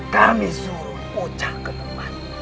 kami suruh kucah ke tempat